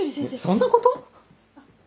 そんなこと？